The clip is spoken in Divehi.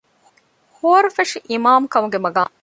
ހޯރަފުށި އިމާމުކަމުގެ މަޤާމު